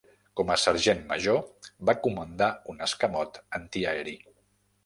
Com a sergent major va comandar un escamot antiaeri.